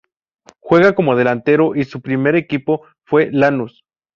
Juega como delantero y su primer equipo fue Lanús.